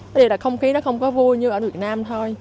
thế nên là không khí nó không có vui như ở việt nam thôi